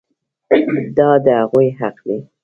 دا د هغوی حق دی.